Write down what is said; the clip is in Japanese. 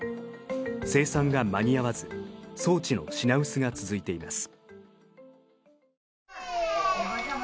生産が間に合わず装置の品薄が続いています。